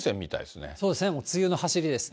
そうですね、梅雨の走りです。